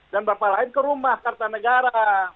dan beberapa lain ke rumah kartanegara